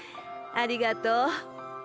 ありがとう。